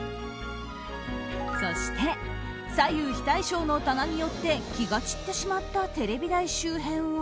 そして、左右非対称の棚によって気が散ってしまったテレビ台周辺は。